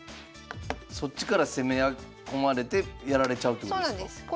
そっちから攻め込まれてやられちゃうってことですか。